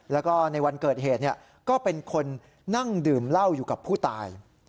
แล้วก็ในวันเกิดเหตุก็เป็นคนนั่งดื่มเหล้าอยู่กับผู้ตาย